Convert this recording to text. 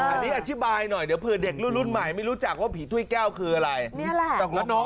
อันนี้อธิบายหน่อยเดี๋ยวเผื่อเด็กรุ่นใหม่ไม่รู้จักว่าผีถ้วยแก้วคืออะไรนี่แหละ